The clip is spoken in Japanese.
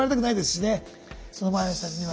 その周りの人たちには。